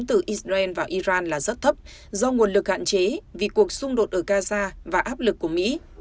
từ israel vào iran là rất thấp do nguồn lực hạn chế vì cuộc xung đột ở gaza và áp lực của mỹ